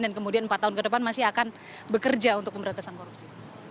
dan kemudian empat tahun ke depan masih akan bekerja untuk pemberantasan korupsi